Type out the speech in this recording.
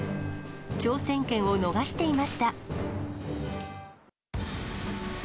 挑戦権を逃していました。